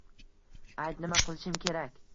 — Ayt, nima qilishim kerak.